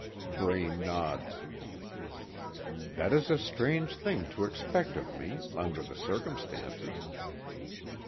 Braine nods. "That is a strange thing to expect of me, under the circumstances."